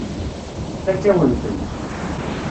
Tfakk-awen-ten.